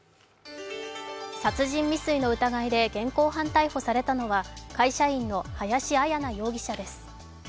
殺人未遂の疑いで現行犯逮捕されたのは、会社員の林絢奈容疑者です。